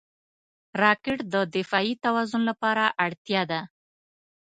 راکټ د دفاعي توازن لپاره اړتیا ده